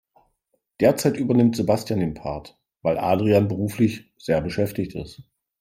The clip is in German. Derzeit übernimmt Sebastian den Part, weil Adrian beruflich sehr beschäftigt ist.